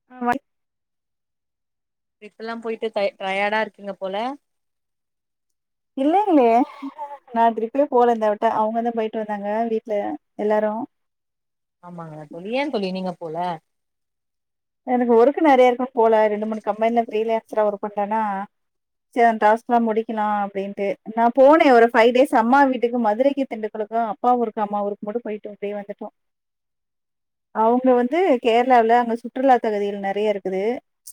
[unintelligible] ட்ரிப்பெல்லா போயிட்டு டை ட்ரையாடா இருக்கீங்க போல இல்லைங்ளே நா ட்ரிப்பே போல இந்தவட்டா அவங்க தா போயிட்டு வந்தாங்க வீட்ல எல்லாரு ஆமாங்க தோழி ஏன் தொழி நீங்க போல எனக்கு ஒர்க்கு நெறைய இருக்கும் போல ரெண்டு மூணு கம்பெனில ப்ரீ லேக்ஸ்ரா ஒர்க் பண்றேனா சரி டாஸ்க்லா முடிக்கலா அப்டின்ட்டு நா போனே ஒரு ஃபைவ் டேஸ் அம்மா வீட்டுக்கு மதுரைக்கு திண்டுக்கல்ளுக்கு அப்பா ஊருக்கு அம்மா ஊருக்கு போயிட்டு இப்டியே வந்துட்டோ [inaudible] அவுங்க வந்து கேர்ளாவ்ல அங்க சுற்றுலா தகுதிகள் நெறயருக்குது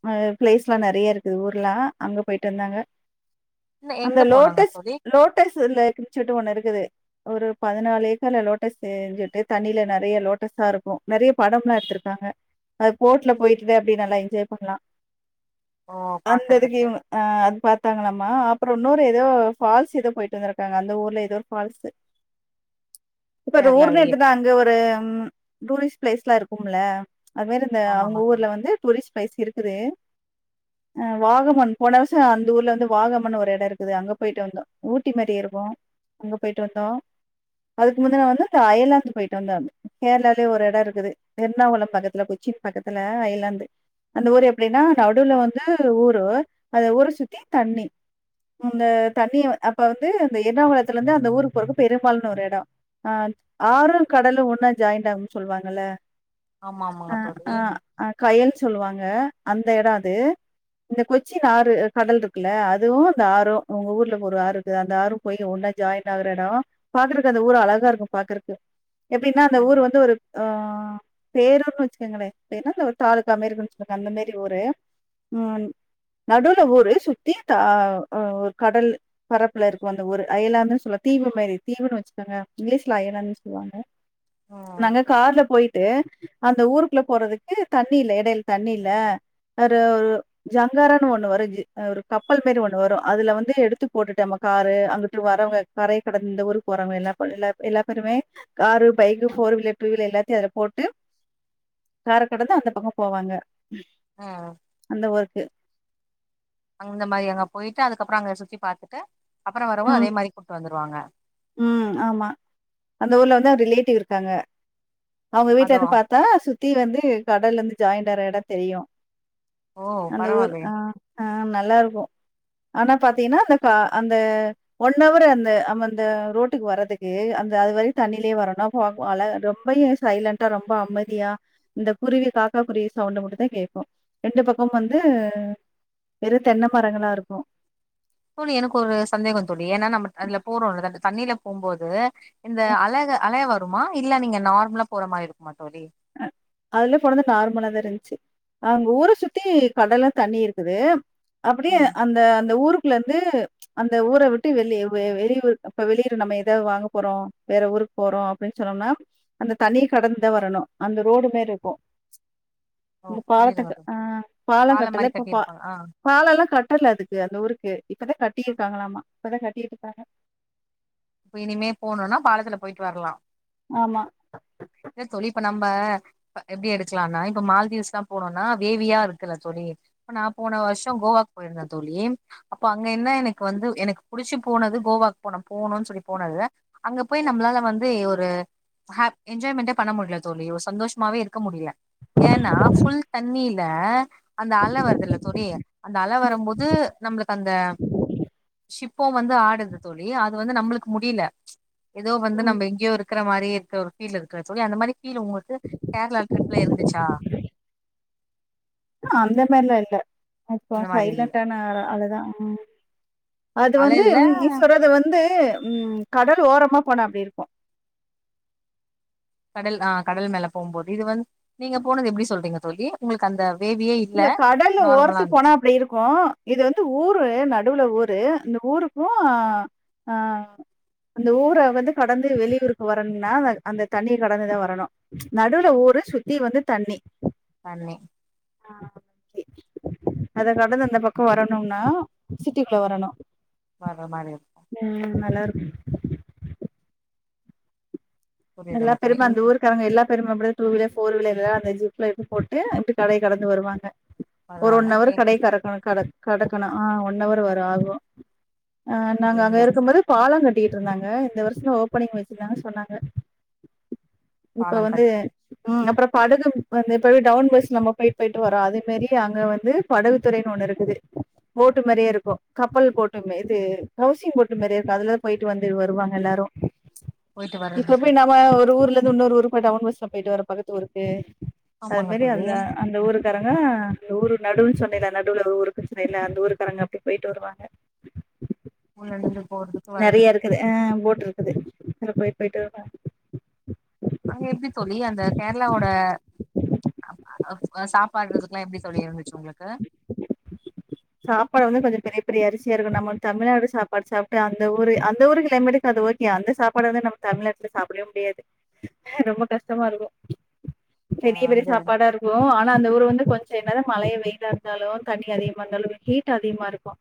ஆ ப்ளேஸ்லா நெறய இருக்குது ஊர்லாம் அங்க போய்ட்டு வந்தாங்க இல்ல அந்த எங்க போனாங்க லோட்டஸ் தோழி லோட்டஸ் இத்ல கிச்சுட்டு ஒண்ணு இருக்குது ஒரு பதினால ஏக்கர்ல லோட்டஸ் செஞ்சுட்டு தண்ணியில நெறைய லோட்டஸா இருக்கும் நெறய படம்லா எட்த்துருக்காங்க அது போட்ல போய்க்குட்டே அப்டே நல்லா என்ஜாய் பண்லா ஓ அந்த இதுக்கு பாக்குறதுக்கு இவுங்க ஆ அது அப்புறம் இன்னொரு ஏதோ ஆ அதுபாத்தாங்ளாமா அப்றோ இன்னோரு எதோ ஃபால்ஸ் எதோ போய்ட்டு வந்ருக்காங்க அந்த ஊர்ல எதோ ஒரு ஃபால்ஸு [inaudible] இப்ப ஒரு ஊர்னு கேரளாலயே எட்த்துட்டா அங்க ஒரு டூரிஸ்ட் ப்ளேஸ்லா இருக்கும்ல அது மேரிந்த அவுங்க ஆமாங்க தோழி ஊர்ல வந்து டூரிஸ்ட் ப்ளேஸ் இருக்குது [inaudible] ஆ வாகமண் போன வர்ஷோ அந்த ஊர்ல வந்து வாகமண் ஒரு எடம் இருக்குது அங்க போய்ட்டு வந்தோ ஊட்டி மாரி இருக்கும் அங்க போய்ட்டு வந்தோ அதுக்கு முன்ன வந்து இந்த அயலாந்து போய்ட்டு வந்தாே கேர்ளாலயே ஒரு எடோ இருக்குது எர்ணாகுளம் பக்கத் ல கொச்சின் பக்கத்துல அயலாந்து அந்த ஊர் எப்டின்னா நடுவுல வந்து ஊரு அந்த ஊர சுத்தி தண்ணி அந்த தண்ணி வ அப்ப வந்து இந்த எர்ணாகுளத்துலந்து அந்த ஊருக்கு போறப்ப பெரும்பாள்னு ஒரு எடோ ஆ ஆறு கடலு ஒன்னா ஜாய்ண்ட் ஆகுன் சொல்வாங்கல்ல ஆமா அ ஆமாங்க அ தோழி அ கயல் சொல்லுவாங்க அந்த எடோ அது இந்த கொச்சின் ஆறு கடல்ருக்குல்ல அதுவு இந்த ஆறும் உங்க ஊர்ல ஒரு ஆறுருக்கு அந்த ஆறும் போய் ஒன்னா ஜாய்ன் ஆகுற எடோ பாக்குறக்கு அந்த ஊர் அழகா இருக்கும் பாக்குறக்கு எப்டின்னா அந்த ஊர் வந்து ஒரு ஆ பேரூர்ன் வெச்சுக்கங்களே தமிழ்நாட்ல ஒரு தாலுக் அமெரிக்கன் சொல்ற அந்த மேரி ஒரு ஊரு ம் நடுல ஊரு சுத்தி தா ஒ ஒர் கடல் பரப்புலருக்கு அந்த ஊரு அயலாந்துன் சொல்லா தீவு மேரி தீவுனு வெச்சுக்கோங்க இங்லீஷ்ல அயர்லாந்துன் சொல்லுவாங்க ம் நாங்க கார்ல போய்ட்டு அந்த ஊருக்குள்ள போறதுக்கு தண்ணி இல்ல எடைல தண்ணில்ல ஒரு ஒரு ஜங்காரான் ஒண்ணு வரும் ஒரு கப்பல் மாரி ஒண்ணு வரும் அதுல வந்து எடுத்து போட்டுட்டமா காரு அங்குட்டு வரவ்ங்க கரய கடந்து இந்த ஊருக்கு வரவுங்க எல்லா எல்ல எல்லா பேருமே car bike four wheeler two wheeler எல்லாத்தயு அதுல போட்டு காரக்கடந்து அந்த பக்கோ போவாங்க ஆ அந்த ஒருக்கு அங்ந்த மாரி அங்க போய்ட்டு அதுக்கப்றோ அங்க சுத்தி பாத்துட்டு அப்பற வரவும் அதே மாரி கூட்டு வந்துருவாங்க உம் ஆமா அந்த ஊர்ல வந்து ஒரு ரிலேட்டிவ் இருக்காங்க அவுங்க வீட்லேந்து அதுவு பாத் சுத்தி வந்து கடல்லந்து ஜாய்ண்ட் ஆர எடோ தெரியு ஓ அந்த ஊர் பரவாயில்லயே ஆ ஆ நல்லாருக்கு ஆனா பாத்திங்கனா அந்த கா அந்த ஒன்னவர் அந்த ஆமா அந்த ரோட்டுக்கு வரறதுக்கு அந்த அந்த ரோட்டுக்கு வரதுக்கு அந்த அது வரையு தண்ணிலே வரனு அ அல ரொம்பயு சைலண் ட்டா ரொம்ப அமதியா இந்த குருவி காக்கா குருவி சவுண்டு மட்டுதா கேக்கு ரெண்டு பக்கோ வந்து வெறு தென்ன மரங்களா இருக்கும் தோழி எனக்கு ஒரு சந்தேகோ தோழி ஏனா நம்ம அதுல போறோல அந்த தண்ணில போம்போது இந்த அழக அலய வருமா இல்ல நீங்க நார்ம்லா போற மாரி இருக்குமா தோழி அதுலே போனது நார்மலா தா இருந்ச்சு அங்கு ஊர சுத்தி கடல்லு தண்ணி இருக்குது அப்டியே ம் அந்த அந்த ஊருக் குலந்து அந்த ஊர விட்டு வெளிவு வெளியூர் இப்ப வெளியூரு நம்ம எதாவ் வாங்க போறோ வேற ஊருக்கு போறோ அப்டின்னு சொன்னோம்னா அந்த தண்ணி கடந்துதா வரணு அந்த ரோடு மேரி இருக்கு ஓ இந்த புரியுதுங்க பாலத்த தோழி அ பாலோ பாலம் கட்டல மாரி இப்ப பா கட்டியிருப்பாங்க ஆ பாலல்லா கட்டல அதுக்கு அந்த ஊருக்கு இப்பதா கட்டியிருக்காங்களாமா இப்பதா கட்டிட்டு இருக்காங்க அப்போ இனிமே போணுனா பாலத்துல பொயிட்டு வரலா ஆமா இல்ல தோழி இப்ப நம்ப ப்ப எப்டி எடுக்கலான்னா இப்ப மால்தீவ்ஸ்லா போனோம்னா வேவியா இருக்குல்ல தோழி இப்ப நா போன வர்ஷோ கோவாக்கு பொயிருந்தே தோழி அப்போ அங்க என்ன எனக்கு வந்து எனக்கு புடிச்சு போனது கோவாக்கு போனோ போனு சொல்லி போனது அங்க போய் நம்ளால வந்து ஒரு ஹேப் என்ஜாய்மெண்ட்டே பண்ண முடில தோழி ஒரு சந்தோஷமாவே இருக்க முடில ஏன்னா ஃபுல் தண்ணில அந்த அல வருதுல்ல தோழி அந்த அல வரும்போது நம்ளுக்கு அந்த சிப்போ வந்து ஆடுது தோழி அது வந்து நம்ளுக்கு முடில ஏதோ வந்து ம். நம்ம எங்கேயோ இருக்குற மாரி இருக்குற ஃபில் இருக்குல தோழி அந்த மாரி அந்த ஃபில் உங்ளுக்கு கேரளா டிரிப்புல இருந்துச்சா அந்த மாரில்லா இல்ல அப்போ அந்த மாரி சைலண்டான அல அலதா அ அ அது வந்து அலைல்ல நீ சொல்றது வந்து உம் கடல் ஓரமா போன அப்டி இருக்கு கடல் ஆ கடல் மேல போம்போது இது வந்து நீங்க போனது எப்டி சொல்றிங்க தோழி உங்ளுக்கு அந்த வேவி இல்ல கடல்லு ஓர்த்துக் போனா அப்டி இருக்கு இது வந்து ஊரு நடுவுல ஊரு இந்த ஊருக்கும் அ அந்த ஊர வந்து கடந்து வெளியூருக்கு வரணுனா வந் அந்த தண்ணிய கடந்துதா வரணு நடுவூல ஊரு சுத்தி வந்து தண்ணி தண்ணி ஆ ஏ அத கடந்து அந்த பக்கோ வரணுனா சிட்டிக்குள்ள வரணு வேற மாரி இருக்கு அ நல்லா இருக் நல்லா புரியுதுங்க தோழி பெரும அந்த ஊருக் காரங்க எல்லா பேருமே அப்படிதா டூ வீலர் போர் வீலர் எல்லா அந்த ஜிப்ல போட்டு கடைய கடந்து வருவாங்க ஒரு வருவாங்க ஒன் அவர் ஏ, கடை கறக்கணு கடக் கடக்கணு ஆ ஒன்ன வர் வரும் ஆகு ஆ நாங்க அங்க இந்த இருக்கும் போது பாலோ கட்டிட்ருந்தாங்க இந்த வர்ஷோ ஓபனிங் வச்சிருந்தாங்க சொன்னாங்க இப்ப பாலம் வந்து கட்டி ம் அப்றோ படகு வந்து எப்பவே டவுன் பஸ் நம்ம பொய் பொய்ட்டு வரோ அதே மாரி அங்க வந்து படகு துறை ஒண்ணு இருக்குது போட்டு மாரியேருக்கு கப்பல் போட்டு இது ஹவுசிங் போட்டு மாரியேருக்கு அதுலதா பொய்ட்டு வந்து வருவாங்க எல்லாரு பொய்ட்டு வரது போய் நாம ஒரு ஊர்லந்து இன்னொரு ஊருக்கு டவுன் பஸ்ல பொய்ட்டு வரோ பக்கத்து ஊருக்கு அது ஆமாங்க மாரி தோழி அதுல அந்த ஊருக்காரங்க அந்த ஊரு நடுவுன் சொன்னேல நடுவுல ஒரு ஊருக்குன்னு சொன்னேல அந்த ஊருக்காரங்க அப்டி பேய்ட்டு வருவாங்க ஊர்லந்து போறதுக்கு வர்றதுக் அ போட்ருக்குது இதுல பொய்ட் பொய்ட்டு வருவ அது எப்பிடி தோழி அந்த கேரளாவோட அப் அ அப் அ சாப்பாட்றதுக்லாம் எப்டி தோழி இருந்துச்சு உங்குளுக்கு சாப்பாடு வந்து கொஞ்சம் பெரிய பெரிய அரிசியாருக்கும் நம்ம தமிழ்நாடு சாப்பாடு சாப்ட்டு அந்த ஊரு அந்த ஊரு க்ளைமேட்டுக்கு அது ஓக் கே அந்த சாப்பாட வந்து நம்ம தமிழ்நாட்ல சாப்டவே முடியாது ரொம்ப கஷ்டமாருக்கும் அ பெரிய பெரிய அங்க சாப்பாடாருக்கும் ஆ னா அந்த ஊரு வந்து கொஞ்சம் என்னதா மழையு வெயிலாருந்தாலும் தண்ணி அதிகமாருந்தாலும் ஹீட்டு அதிகமாருக்கும்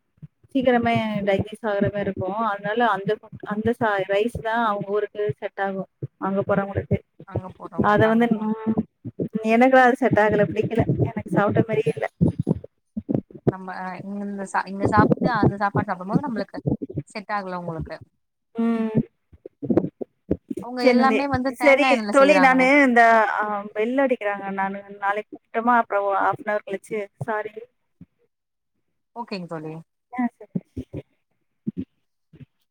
சீக்கிரமே டைஜீஸ்ஸ ஆவுறமாருக்கும் அதனால அந்த அந்த ச ரைஸ்தா அவுங்க ஊருக்கு செட்டாகும் அங்க போறவுங்குளுக்கு அங்க அத போறவங்களுக்கு அங்க வந்து போ ம் எனக்கும் அது செட்டாகல பிடிக்கல எனக்கு சாப்ட்ட மாரியே இல்ல நம்ம அ இங்குந்த ச அ இங்க சாப்ட்டு அந்த சாப்பாடு சாப்புடும்போது நம்புளுக்கு செட்டாகல உங்குளுக்கு ம். அவுங்க சரி நந்தி எல்லாமே வந்து சரி தேங்கா எண்ணெய்ல தோழி செய்றாங்ள நானு இந்த அ பெல் அடிக்கிறாங்க நானு நாளைக்கி கூப்ட்டமா அப்றோ ஆஃப்பனவர் கழிச்சி சாரி ஓகேங் தோழி [inaudible]